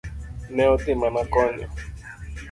Ne odhi mana konyo.